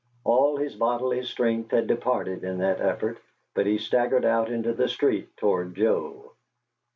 All his bodily strength had departed in that effort, but he staggered out into the street toward Joe.